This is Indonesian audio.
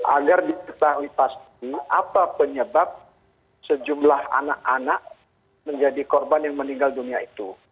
agar diketahui pasti apa penyebab sejumlah anak anak menjadi korban yang meninggal dunia itu